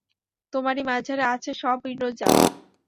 তোমারি মাঝারে আছে সব ইন্দ্রজাল।